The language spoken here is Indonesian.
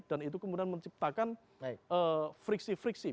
dan itu kemudian menciptakan friksi friksi